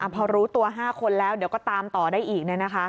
พอรู้ตัว๕คนแล้วเดี๋ยวก็ตามต่อได้อีก